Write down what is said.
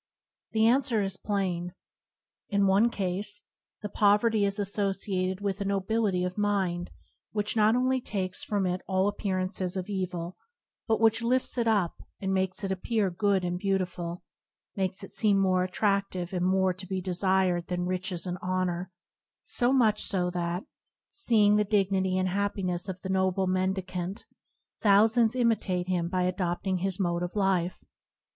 The answer is plain. In the one case, the poverty is associated with a nobility of mind which not only takes from it all appearance of evil, but which lifts it up and makes it appear good and beautiful, makes it seem more at tractive and more to be desired than riches and honour, so much so that, seeing the dignity and happiness of the noble mendi cant, thousands imitate him by adopting his mode of life.